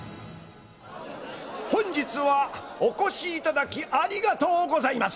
本日は、お越しいただきありがとうございます。